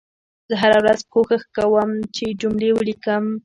زه هره ورځ کوښښ کوم چې جملې ولیکم